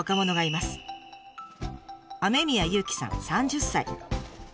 雨宮雄希さん３０歳。